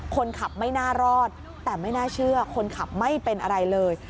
คนขับไม่น่ารอดแต่ไม่น่าเชื่อคนขับไม่เป็นอะไรเลย